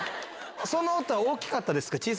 その音は大きかったですか？